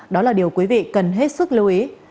đó là điều quý vị cần hết sức lưu ý